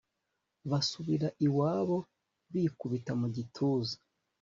basubira iwabo bikubita mu gituza